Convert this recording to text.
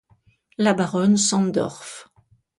La baronne Sandorff.